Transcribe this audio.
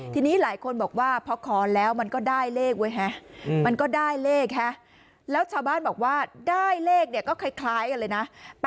ทีนี้หลายคนบอกว่าพอขอแล้วมันก็ได้เลขไว้ฮะมันก็ได้เลขฮะแล้วชาวบ้านบอกว่าได้เลขเนี่ยก็คล้ายกันเลยนะ